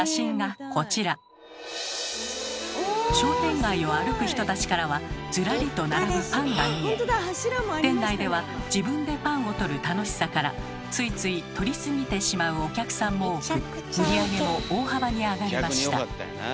商店街を歩く人たちからはズラリと並ぶパンが見え店内では自分でパンを取る楽しさからついつい取りすぎてしまうお客さんも多く売り上げも大幅に上がりました。